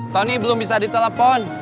tony belum bisa ditelepon